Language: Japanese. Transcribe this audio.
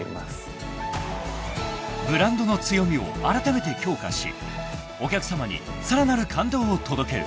［ブランドの強みをあらためて強化しお客さまにさらなる感動を届ける］